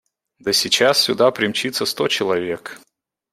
– Да сейчас сюда примчится сто человек!